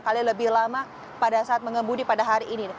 dua kali lebih lama pada saat mengembudi pada hari ini